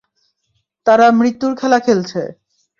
তারা মৃত্যুর খেলা খেলছে।